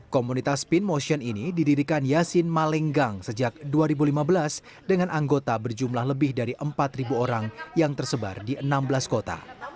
komunitas spin motion ini didirikan yasin malenggang sejak dua ribu lima belas dengan anggota berjumlah lebih dari empat orang yang tersebar di enam belas kota